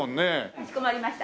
かしこまりました。